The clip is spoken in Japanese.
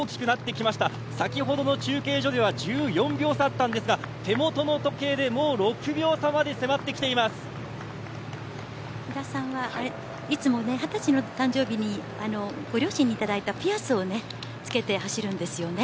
大きくなってきました先ほどの中継所では１４秒差だったんですが手元の時計でもう６秒差まで飛田さんはいつも２０歳の誕生日にご両親にいただいたピアスを着けて走るんですよね。